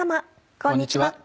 こんにちは。